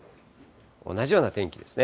同じような天気ですね。